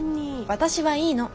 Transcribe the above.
私はいいの。